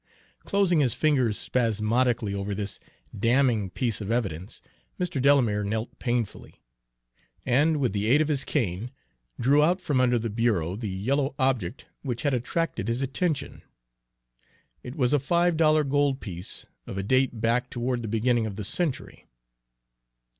Closing his fingers spasmodically over this damning piece of evidence, Mr. Delamere knelt painfully, and with the aid of his cane drew out from under the bureau the yellow object which, had attracted his attention. It was a five dollar gold piece of a date back toward the beginning of the century.